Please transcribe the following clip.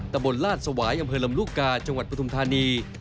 ตำบลลาดสวายอำเภอลำลูกกาจังหวัดปฐุมธานี